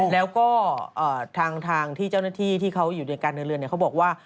แล้วก็ทางที่เจ้าหน้าที่ที่เขาอยู่ด้วยกันในเรือนเขาบอกว่า